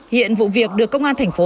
hiện vụ việc được công an thành phố